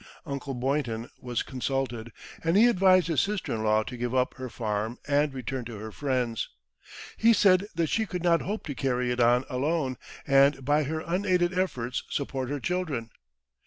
Uncle Boynton was consulted, and he advised his sister in law to give up her farm and return to her friends. He said that she could not hope to carry it on alone, and by her unaided efforts support her children.